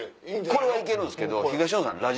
これは行けるんすけど東野さん。